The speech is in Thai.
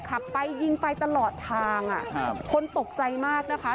ขับไปยิงไปตลอดทางคนตกใจมากนะคะ